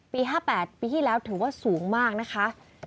๕๘ปีที่แล้วถือว่าสูงมากนะคะ